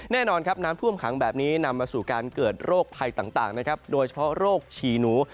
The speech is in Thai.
แน่นอนครับน้ำท่วมขังแบบนี้นำมาสู่การเกิดโรคภัยต่างนะครับโดยเฉพาะโรคฉี่หนู